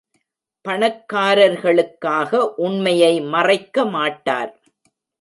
பணக்காரர்களுக்காக உண்மையை மறைக்க மாட்டார்.